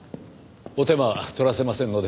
お手間は取らせませんので。